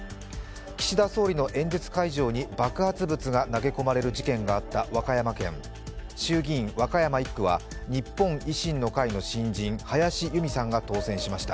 岸田総理の演説会場に爆発物が投げ込まれる事件があった和歌山県衆議院・和歌山１区は日本維新の会の新人、林佑美さんが当選しました。